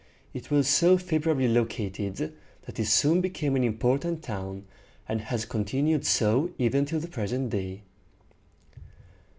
It was so favorably located, that it soon became an important town, and has continued so even till the present day.